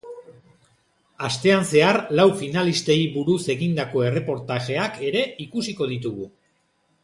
Astean zehar lau finalistei buruz egindako erreportajeak ere ikusiko ditugu.